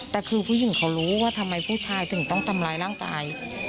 แต่คือผู้หญิงเขารู้ว่าทำไมผู้ชายถึงต้องทำร้ายร่างกาย